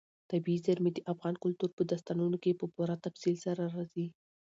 طبیعي زیرمې د افغان کلتور په داستانونو کې په پوره تفصیل سره راځي.